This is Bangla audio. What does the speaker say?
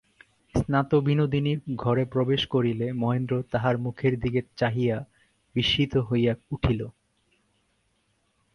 স্নাত বিনোদিনী ঘরে প্রবেশ করিলে, মহেন্দ্র তাহার মুখের দিকে চাহিয়া বিস্মিত হইয়া উঠিল।